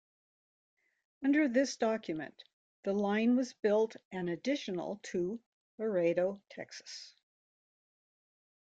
Under this document, the line was built an additional to Laredo, Texas.